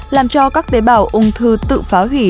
làm cho các tế bào ung thư tự phá hủy